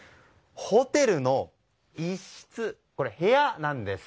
ホテルの一室、部屋なんです。